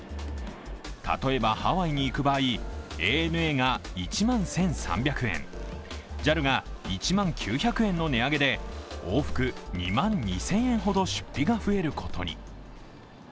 例えば、ハワイに行く場合、ＡＮＡが１万１３００円、ＪＡＬが１万９００円の値上げで往復２万２０００円ほど出費が増えることに。